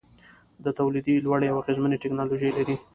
د تولید لوړې او اغیزمنې ټیکنالوجۍ لري.